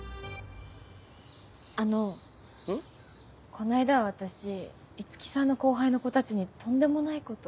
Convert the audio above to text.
この間私五木さんの後輩の子たちにとんでもないことを。